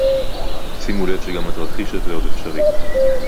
שימו לב שגם התרחיש הזה עוד אפשרי